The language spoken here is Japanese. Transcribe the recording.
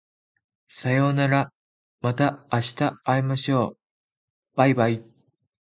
さようならまた明日会いましょう baibai